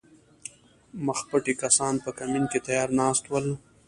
مخپټي کسان په کمین کې تیار ناست ول